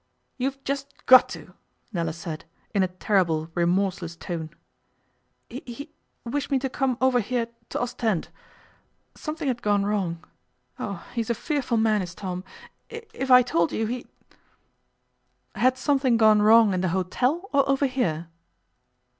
'You've just got to,' Nella said, in a terrible, remorseless tone. 'He he wished me to come over here to Ostend. Something had gone wrong. Oh! he's a fearful man, is Tom. If I told you, he'd ' 'Had something gone wrong in the hotel, or over here?